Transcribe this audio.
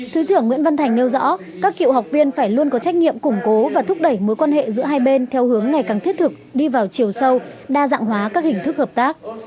thứ trưởng nguyễn văn thành nêu rõ các cựu học viên phải luôn có trách nhiệm củng cố và thúc đẩy mối quan hệ giữa hai bên theo hướng ngày càng thiết thực đi vào chiều sâu đa dạng hóa các hình thức hợp tác